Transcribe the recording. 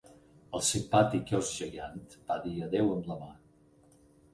El simpàtic ós gegant va dir adéu amb la mà.